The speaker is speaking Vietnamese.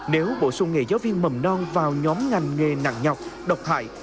nếu bổ sung nghề giáo viên mầm non vào nhóm ngành nghề nặng nhọc độc hại